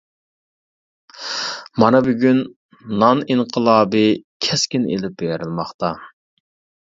مانا بۈگۈن «نان ئىنقىلابى» كەسكىن ئېلىپ بېرىلماقتا.